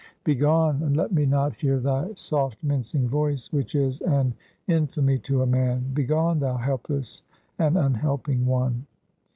"Begone! and let me not hear thy soft, mincing voice, which is an infamy to a man! Begone, thou helpless, and unhelping one!"